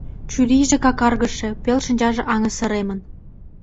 Чурийже какаргыше, пел шинчаже аҥысыремын.